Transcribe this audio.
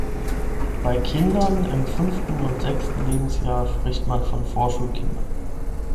Bei Kindern im fünften und sechsten Lebensjahr spricht man von Vorschulkindern.